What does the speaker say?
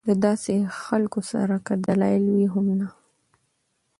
د داسې خلکو سره کۀ دلائل وي هم نۀ